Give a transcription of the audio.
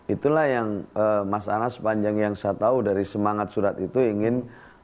itulah yang mas anas sepanjang yang saya tahu dari semangat surat itu ingin